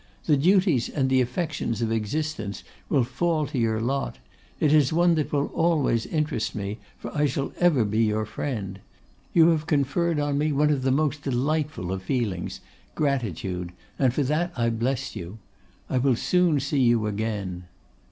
The duties and the affections of existence will fall to your lot. It is one that will always interest me, for I shall ever be your friend. You have conferred on me one of the most delightful of feelings, gratitude, and for that I bless you. I will soon see you again.